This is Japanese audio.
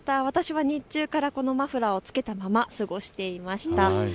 私も日中からこのマフラーを着けたまま過ごしていました。